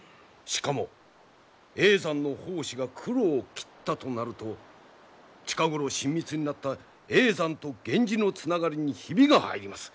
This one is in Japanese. しかも叡山の法師が九郎を斬ったとなると近頃親密になった叡山と源氏のつながりにひびが入ります。